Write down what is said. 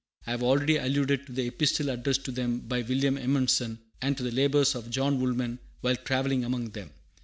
I have already alluded to the epistle addressed to them by William Edmondson, and to the labors of John Woolman while travelling among them.